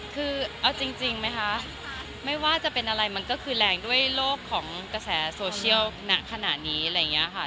คือเอาจริงไหมคะไม่ว่าจะเป็นอะไรมันก็คือแรงด้วยโลกของกระแสโซเชียลณขณะนี้อะไรอย่างนี้ค่ะ